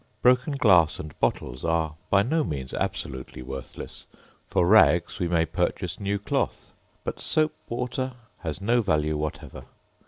Broken glass and bottles are by no means absolutely worthless; for rags we may purchase new cloth, but soap water has no value whatever.